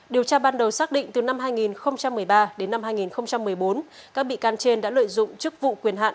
điều tra ban đầu xác định từ năm hai nghìn một mươi ba đến năm hai nghìn một mươi bốn các bị can trên đã lợi dụng chức vụ quyền hạn